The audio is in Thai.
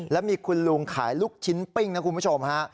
แล้วมีคุณลุงขายลูกชิ้นปิ้งนะคุณผู้ชมฮะ